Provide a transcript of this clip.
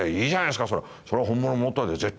それは本物もらったんで絶対」。